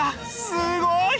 すごい！